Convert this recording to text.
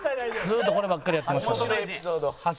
ずっとこればっかりやってましたから。